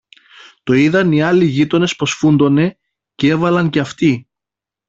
Το είδαν οι άλλοι γείτονες πως φούντωνε, κι έβαλαν και αυτοί.